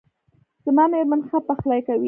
زما میرمن ښه پخلی کوي